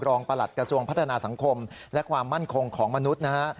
ประหลัดกระทรวงพัฒนาสังคมและความมั่นคงของมนุษย์นะฮะ